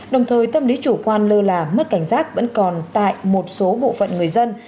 đồng thời tâm lý chủ quan lơ là mất cảnh giác vẫn còn tại một số bộ phận người dân